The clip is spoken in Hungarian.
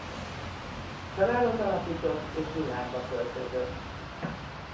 Családot alapított és Villányba költözött.